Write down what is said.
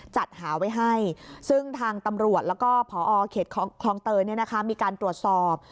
จัดหาไว้ให้ซึ่งทางตำรวจแล้วก็พอเขตคลองเตยมีการตรวจสอบ